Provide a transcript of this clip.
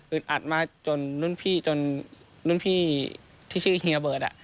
อึดอัดมากจนรุ่นพี่ที่ชื่อเฮียเบิร์ต